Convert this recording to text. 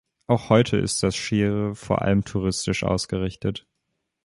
Auch heute ist das Shire vor allem touristisch ausgerichtet.